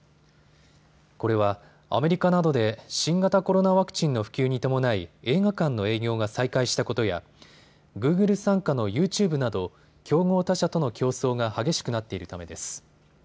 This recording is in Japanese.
これはアメリカなどで新型コロナワクチンの普及に伴い映画館の営業が再開したことやグーグル傘下のユーチューブなど競合他社との競争が激しくなっているためです。